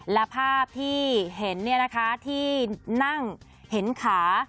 และภาพที่เห็นนี่นะคะที่นั่งเห็นขา